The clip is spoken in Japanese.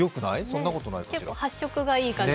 そんなことないかしら。